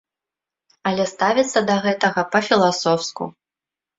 Але ставяцца да гэтага па-філасофску.